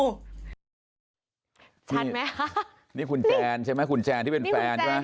ทันไหมคะนี่คุณแจนใช่ไหมคุณแจนที่เป็นแฟนใช่ไหม